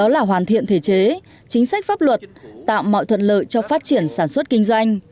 là hoàn thiện thể chế chính sách pháp luật tạo mọi thuận lợi cho phát triển sản xuất kinh doanh